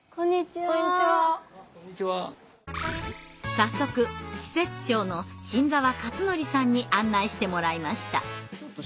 早速施設長の新澤克憲さんに案内してもらいました。